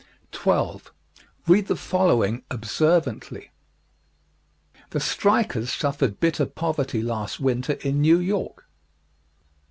12. Read the following observantly: The strikers suffered bitter poverty last winter in New York.